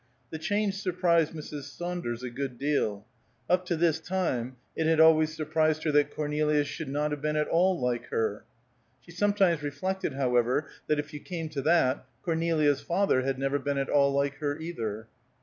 The change surprised Mrs. Saunders a good deal; up to this time it had always surprised her that Cornelia should not have been at all like her. She sometimes reflected, however, that if you came to that, Cornelia's father had never been at all like her, either.